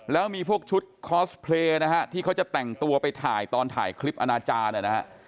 แล้วมีพวกชุดคอสเพลย์นะฮะที่เขาจะแต่งตัวไปถ่ายตอนถ่ายคลิปอนาจารย์นะฮะ